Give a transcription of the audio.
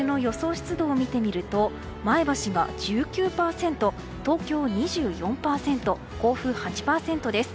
湿度を見てみると前橋が１９％東京、２４％甲府８％です。